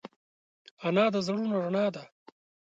انا د زړونو رڼا ده